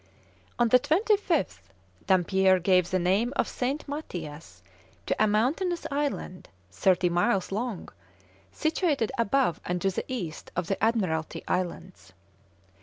On the 25th, Dampier gave the name of Saint Matthias to a mountainous island, thirty miles long, situated above and to the east of the Admiralty Islands.